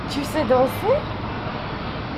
Tu sais danser?